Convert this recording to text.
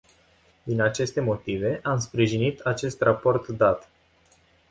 Din aceste motive, am sprijinit acest raport dat.